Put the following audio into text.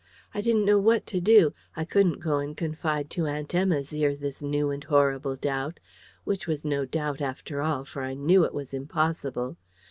I didn't know what to do. I couldn't go and confide to Aunt Emma's ear this new and horrible doubt, which was no doubt after all, for I KNEW it was impossible.